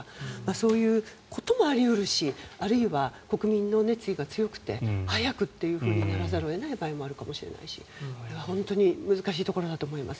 そういうこともあり得るしあるいは国民の熱意が強くて早くということにならざる場合もあるかもしれないしこれは本当に難しいところだと思います。